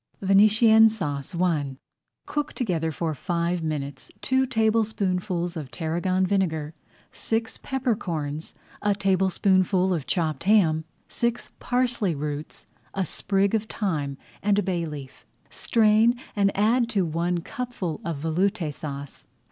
VENETIENNE SAUCE I Cook together for five minutes two tablespoonfuls of tarragon vinegar, six pepper corns, a tablespoonful of chopped ham, six parsley roots, a sprig of thyme and a bay leaf. Strain, and add to one cupful of Veloute Sauce.